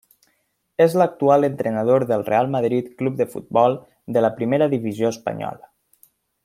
És l'actual entrenador del Real Madrid Club de Futbol de la primera divisió espanyola.